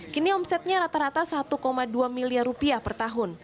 kini omsetnya rata rata satu dua miliar rupiah per tahun